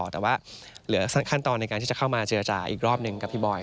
แต่ว่าเหลือขั้นตอนในการที่จะเข้ามาเจรจาอีกรอบหนึ่งกับพี่บอย